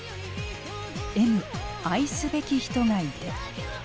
「Ｍ愛すべき人がいて」。